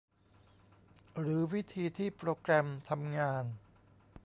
หรือวิธีที่โปรแกรมทำงาน